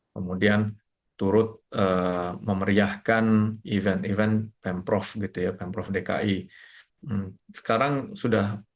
kemudian turut memeriahkan event event pemprov gitu ya pemprov dki sekarang sudah